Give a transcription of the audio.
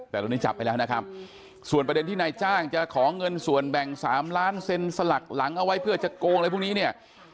แต่ตอนนี้จับไปแล้วนะครับส่วนประเด็นที่นายจ้างจะขอเงินส่วนแบ่ง๓ล้านเซ็นสลักหลังเอาไว้เพื่อจะโกงอะไรพวกนี้เนี่ย